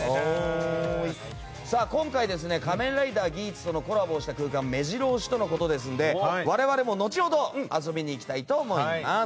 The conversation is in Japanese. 今回「仮面ライダーギーツ」とのコラボした空間目白押しということですので我々も後ほど遊びに行きたいと思います。